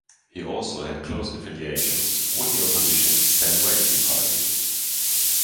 He also had close affiliations with the opposition Sam Rainsy Party.